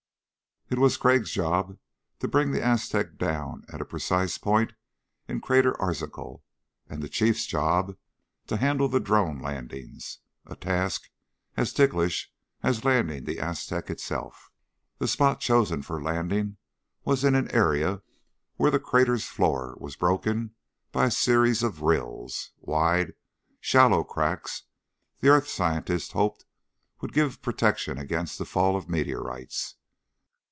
It was Crag's job to bring the Aztec down at a precise point in Crater Arzachel and the Chief's job to handle the drone landings, a task as ticklish as landing the Aztec itself. The spot chosen for landing was in an area where the Crater's floor was broken by a series of rills wide, shallow cracks the earth scientists hoped would give protection against the fall of meteorites.